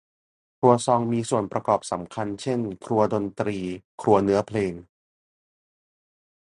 ครัวซองมีส่วนประกอบสำคัญเช่น ครัวดนตรี ครัวเนื้อเพลง